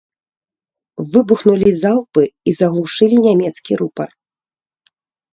Выбухнулі залпы і заглушылі нямецкі рупар.